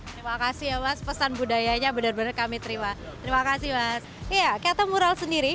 terima kasih ya mas pesan budayanya benar benar kami terima terima kasih mas ya kata mural sendiri